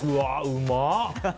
うまっ！